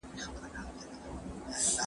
په لوی لاس به مي ځان وسپارم عذاب ته